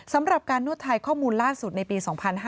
สำหรับการนวดไทยข้อมูลล่าสุดในปี๒๕๕๙